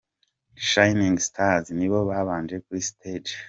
Shinning Stars nibo babanje kuri stage.